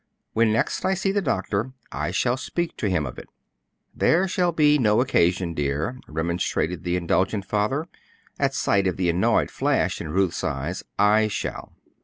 When next I see the doctor, I shall speak to him of it." "There will be no occasion, dear," remonstrated the indulgent father, at sight of the annoyed flash in Ruth's eyes; "I shall."